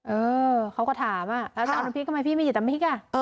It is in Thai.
เออเขาก็ถามอ่ะแล้วจะเอาหน่วยพริกทำไมพี่ไม่อยู่ตามพริกอ่ะ